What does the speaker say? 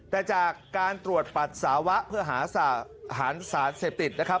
แต่จากการตรวจปัสสาวะเพื่อหาสารเสพติดนะครับ